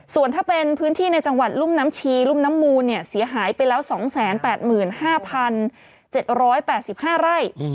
ส่วนถ้าเป็นพื้นที่ในจังหวัดรุ่มน้ำชีรุ่มน้ำมูลเสียหายไปแล้ว๒๘๕๗๘๕ไร่